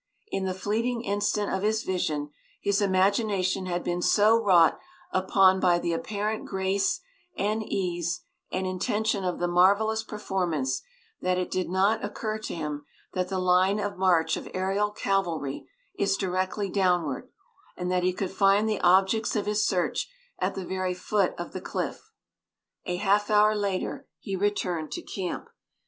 In the fleeting instant of his vision his imagination had been so wrought upon by the apparent grace and ease and intention of the marvelous performance that it did not occur to him that the line of march of aerial cavalry is directly downward, and that he could find the objects of his search at the very foot of the cliff. A half hour later he returned to camp.